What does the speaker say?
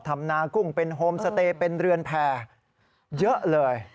นากุ้งเป็นโฮมสเตย์เป็นเรือนแผ่เยอะเลย